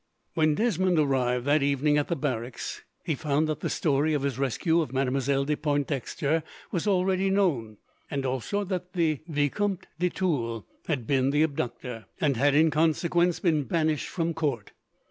When Desmond arrived that evening at the barracks, he found that the story of the rescue of Mademoiselle de Pointdexter was already known, and also that the Vicomte de Tulle had been the abductor, and had, in consequence, been banished from court.